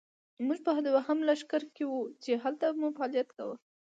موږ په دوهم لښکر کې وو، چې هلته مو فعالیت کاوه.